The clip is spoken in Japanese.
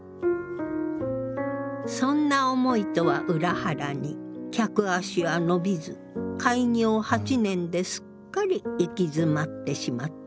そんな思いとは裏腹に客足は伸びず開業８年ですっかり行き詰まってしまった。